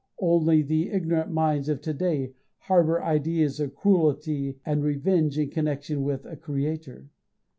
Only the ignorant minds to day harbour ideas of cruelty and revenge in connection with a Creator.